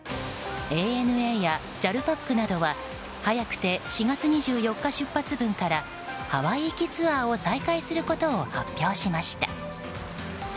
ＡＮＡやＪＡＬパックなどは早くて４月２４日出発分からハワイ行きツアーを再開することを発表しました。